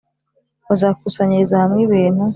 Bazakusanyiriza hamwe ibintu